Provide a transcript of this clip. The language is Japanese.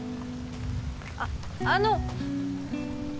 あっあの！